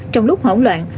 trong lúc hỗn loạn